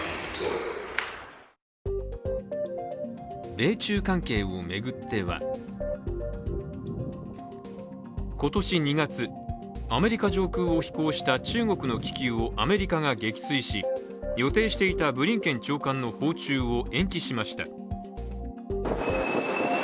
米中関係を巡っては今年２月、アメリカ上空を飛行した中国の気球をアメリカが撃墜し予定していたブリンケン長官の訪中を延期しました。